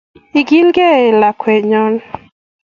Akikilkee eeh lakwenyon